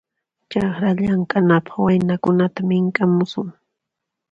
Chakra llamk'anapaq waynakunata mink'amusun.